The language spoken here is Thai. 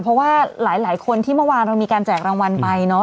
เพราะว่าหลายคนที่เมื่อวานเรามีการแจกรางวัลไปเนาะ